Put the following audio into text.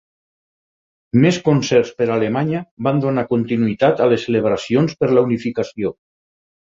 Més concerts per Alemanya van donar continuïtat a les celebracions per la unificació.